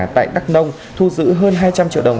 tại đắk nông thu giữ hơn hai trăm linh triệu đồng